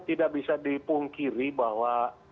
tidak bisa dipungkiri bahwa